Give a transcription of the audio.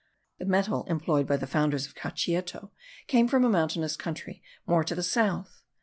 The metal employed by the founders of Cauchieto came from a mountainous country more to the south.